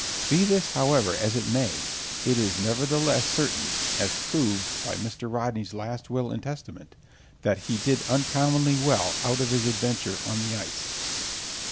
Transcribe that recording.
Be this, however, as it may, it is nevertheless certain, as proved by Mr. Rodney's last will and testament, that he did uncommonly well out of his adventure on the ice.